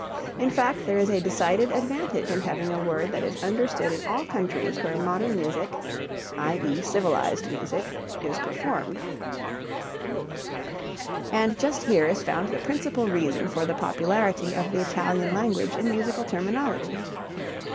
In fact there is a decided advantage in having a word that is understood in all countries where modern music (i.e., civilized music) is performed, and just here is found the principal reason for the popularity of the Italian language in musical terminology.